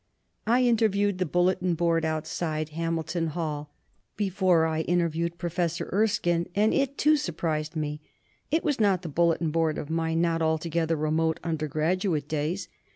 I interviewed the bulletin board outside Hamil ton Hall before I interviewed Professor Erskine, and it, too, surprised me. It was not the bulletin board of my not altogether remote undergraduate days.